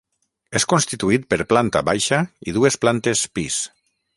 És constituït per planta baixa i dues plantes pis.